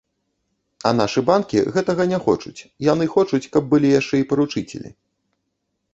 А нашы банкі гэтага не хочуць, яны хочуць, каб былі яшчэ і паручыцелі.